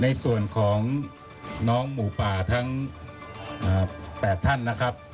ในส่วนของน้องหมูป่าทั้ง๘ท่านนะครับ